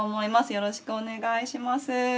よろしくお願いします。